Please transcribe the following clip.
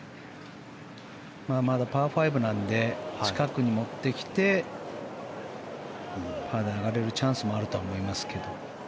まだパー５なんで近くに持ってきてまだパーで上がれるチャンスもあると思いますけど。